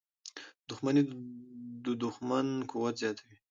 • دښمني د دوښمن قوت زیاتوي.